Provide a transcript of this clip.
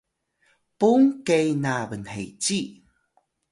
pung ke na bnheci